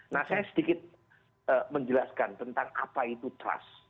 nah saya sedikit menjelaskan tentang apa itu trust